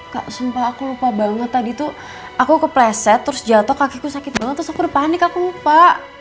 kak sumpah aku lupa banget tadi tuh aku kepleset terus jatuh kakiku sakit banget terus aku udah panik aku lupa